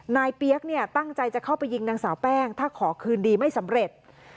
เปี๊ยกเนี่ยตั้งใจจะเข้าไปยิงนางสาวแป้งถ้าขอคืนดีไม่สำเร็จ